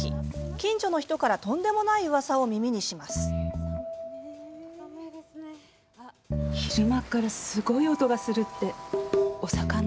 近所の人から、とんでもないうわさを耳にします。